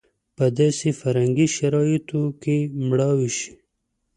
په داسې فرهنګي شرایطو کې مړاوې شي.